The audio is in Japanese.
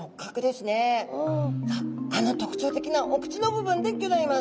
あの特徴的なお口の部分でギョざいます。